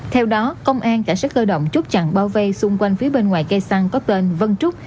theo đó công an cảnh sát cơ động chốt chặn bao vây xung quanh phía bên ngoài cây xăng có tên vân trúc